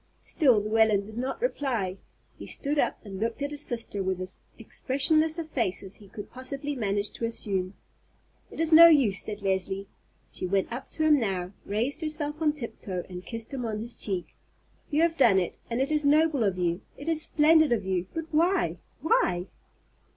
Still Llewellyn did not reply. He stood up and looked at his sister with as expressionless a face as he could possibly manage to assume. "It is no use," said Leslie. She went up to him now, raised herself on tiptoe, and kissed him on his cheek. "You have done it, and it is noble of you, it is splendid of you; but why—why?"